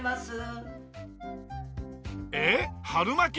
えっ春巻き？